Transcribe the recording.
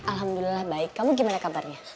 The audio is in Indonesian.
alhamdulillah baik kamu gimana kabarnya